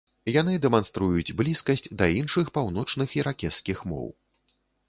Яны дэманструюць блізкасць да іншых паўночных іракезскіх моў.